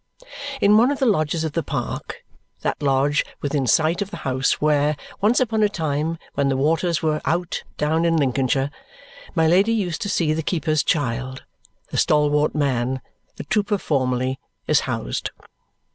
In one of the lodges of the park that lodge within sight of the house where, once upon a time, when the waters were out down in Lincolnshire, my Lady used to see the keeper's child the stalwart man, the trooper formerly, is housed.